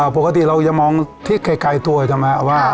ปกติเราอย่ามองที่ไกลตัวใช่ไหม